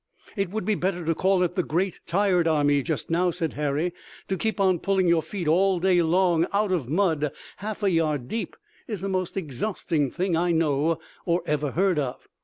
"It would be better to call it the Great Tired Army just now," said Harry. "To keep on pulling your feet all day long out of mud half a yard deep is the most exhausting thing I know or ever heard of."